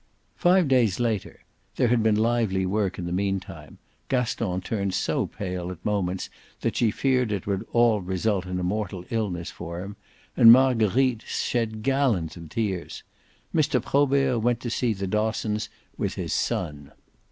Five days later there had been lively work in the meantime; Gaston turned so pale at moments that she feared it would all result in a mortal illness for him, and Marguerite shed gallons of tears Mr. Probert went to see the Dossons with his son.